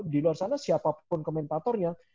di luar sana siapapun komentatornya